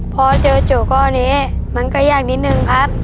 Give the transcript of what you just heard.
พอเจอโจก้อนนี้มันก็ยากนิดนึงครับ